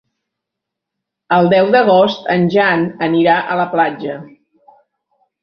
El deu d'agost en Jan anirà a la platja.